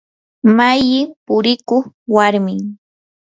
malli purikuq warmim.